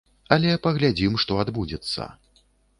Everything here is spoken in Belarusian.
Але паглядзім, што адбудзецца.